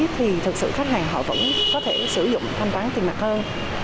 thì thật sự khách hàng họ vẫn có thể sử dụng thanh toán tiền mặt hơn